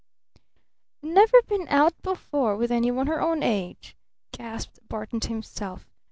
"Never been out before with any one her own age?" gasped Barton to himself.